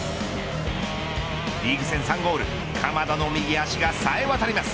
リーグ戦３ゴール鎌田の右足がさえ渡ります。